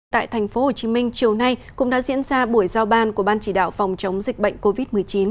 tại tp hcm chiều nay cũng đã diễn ra buổi giao ban của ban chỉ đạo phòng chống dịch bệnh covid một mươi chín